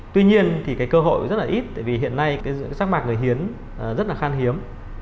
tuy nhiên thì cơ hội rất là ít vì hiện nay rác mạc người hiến rất là khan hiếm